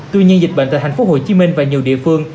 tuy nhiên dịch bệnh tại thành phố hồ chí minh và nhiều địa phương